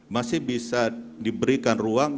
masih bisa diberikan ruang